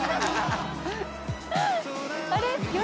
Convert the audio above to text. あれ？